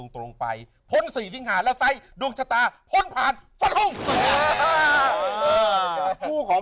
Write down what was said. ตรงไปพ้นสีทิ้งหาระไซดวงชะตาพ้นผ่านฟันหุ้งคู่ของ